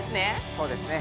そうですね。